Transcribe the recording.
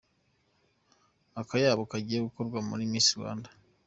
Akayabo kagiye mu gikorwa cya Miss Rwanda .